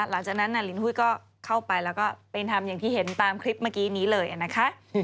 หลังจากนั้นลินหุ้ยก็เข้าไปแล้วก็ไปทำอย่างที่เห็นตามคลิปเมื่อกี้นี้เลยนะคะ